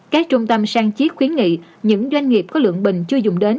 các trung tâm sang chiếc khuyến nghị những doanh nghiệp có lượng bình chưa dùng đến